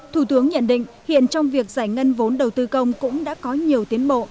thủ tướng nhận định hiện trong việc giải ngân vốn đầu tư công cũng đã có nhiều tiến bộ